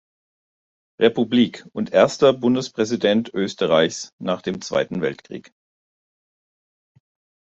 Republik und erster Bundespräsident Österreichs nach dem Zweiten Weltkrieg.